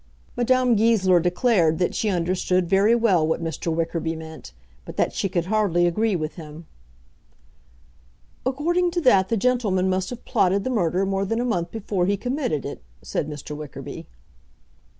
Madame Goesler declared that she understood very well what Mr. Wickerby meant, but that she could hardly agree with him. "According to that the gentleman must have plotted the murder more than a month before he committed it," said Mr. Wickerby.